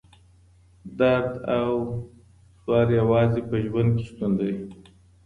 درد او ځور یوازې په ژوند کي شتون لري.